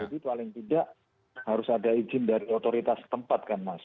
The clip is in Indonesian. jadi paling tidak harus ada izin dari otoritas tempat kan mas